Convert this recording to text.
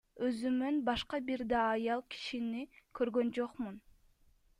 Өзүмөн башка бир да аял кишини көргөн жокмун.